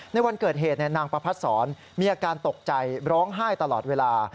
ในวันเกิดเหตุนางประพัดศรมีอาการตกใจร้องไห้ตลอดเวลา